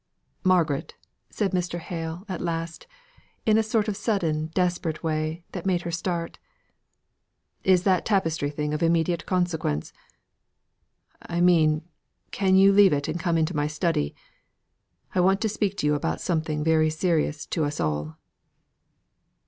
"Margaret!" said Mr. Hale, at last, in a sort of sudden desperate way, that made her start. "Is that tapestry thing of immediate consequence? I mean, can you leave it and come into my study? I want to speak to you about something very serious to us all."